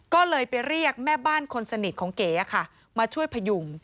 ก็เลยไปเรียกแม่บ้านคนสนิทของเก๋ค่ะมาช่วยพยุง